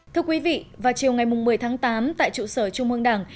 thưa quý vị vào chiều ngày một mươi tháng tám tại trụ sở trung ương đảng